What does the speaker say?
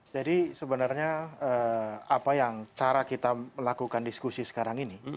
jadi sebenarnya apa yang cara kita melakukan diskusi sekarang ini